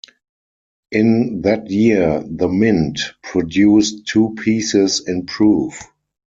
In that year, the mint produced two pieces in proof.